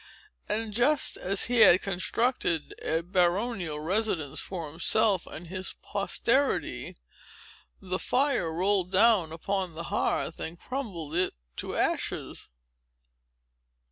And, just as he had constructed a baronial residence for himself and his posterity, the fire rolled down upon the hearth, and crumbled it to ashes!"